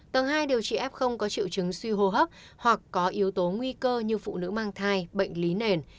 tầng hai điều trị f có triệu chứng suy hô hấp hoặc có yếu tố nguy cơ như phụ nữ mang thai bệnh lý nền